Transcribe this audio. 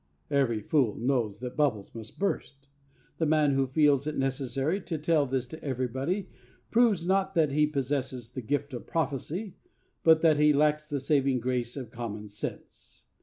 Every fool knows that bubbles must burst. The man who feels it necessary to tell this to everybody proves, not that he possesses the gift of prophecy, but that he lacks the saving grace of common sense.